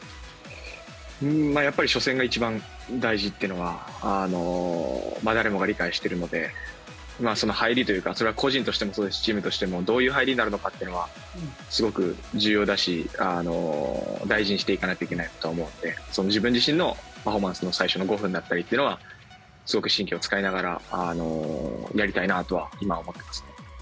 やっぱり初戦が一番大事というのは誰もが理解しているのでその入りというかそれは個人としてもそうですしチームとしてもどういう入りになるかというのはすごく重要だし大事にしていかなければいけないと思うので自分自身のパフォーマンスの最初の５分だったりというのはすごく神経を使いながらやりたいなとは今は思っていますね。